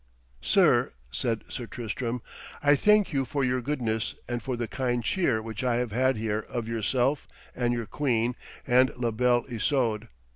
'Sir,' said Sir Tristram, 'I thank you for your goodness and for the kind cheer which I have had here of yourself and your queen and La Belle Isoude.